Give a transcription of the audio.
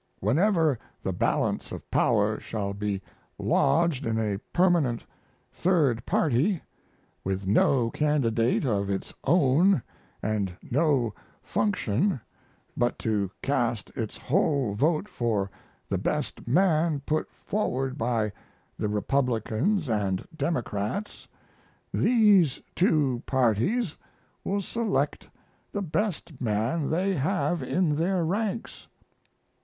Whenever the balance of power shall be lodged in a permanent third party, with no candidate of its own and no function but to cast its whole vote for the best man put forward by the Republicans and Democrats, these two parties will select the best man they have in their ranks.